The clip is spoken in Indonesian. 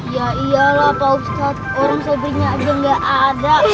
ya iyalah pak ustadz orang sobri nya aja gak ada